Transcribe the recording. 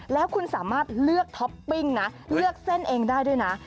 แล้วคุณสามารถเลือกท็อปปิ้งนะเลือกเส้นเองได้ด้วยนะ